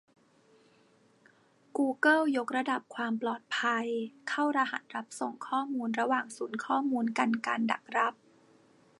กูเกิลยกระดับความปลอดภัย เข้ารหัสรับส่งข้อมูลระหว่างศูนย์ข้อมูล กันการดักรับ